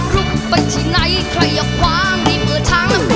ทุกไปที่ในใครอยากความดีเมื่อทางน้ำมืด